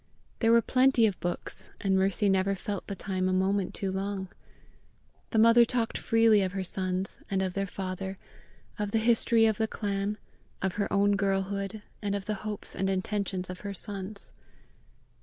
There were plenty of books, and Mercy never felt the time a moment too long. The mother talked freely of her sons, and of their father, of the history of the clan, of her own girlhood, and of the hopes and intentions of her sons.